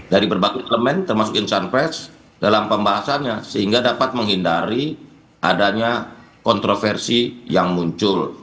dari berbagai elemen termasuk insan pers dalam pembahasannya sehingga dapat menghindari adanya kontroversi yang muncul